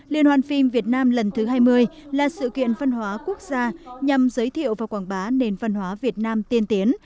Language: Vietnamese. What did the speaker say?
liên hoàn phim việt nam lần thứ hai mươi là sự kiện văn hóa quốc gia nhằm giới thiệu và quảng bá nền văn hóa việt nam tiên tiến